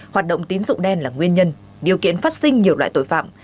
hoạt động tín dụng đen là nguyên nhân điều kiện phát sinh nhiều loại tội phạm